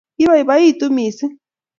kiboiboitu mising